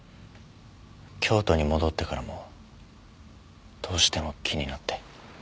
京都に戻ってからもどうしても気になって。